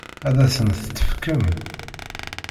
Ad asent-tt-tefkem?